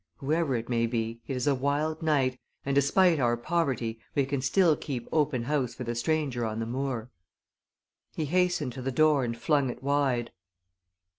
"Whoever it may be, it is a wild night, and despite our poverty we can still keep open house for the stranger on the moor." He hastened to the door and flung it wide.